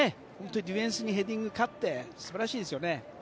ディフェンスにヘディング勝って素晴らしいですよね。